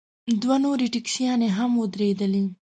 دوه نورې ټیکسیانې هم ودرېدلې.